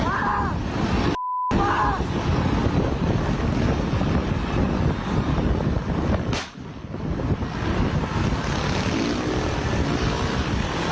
อาวุธเที่ยวชอบ